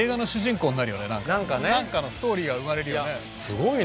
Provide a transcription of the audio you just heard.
なんかのストーリーが生まれるよね。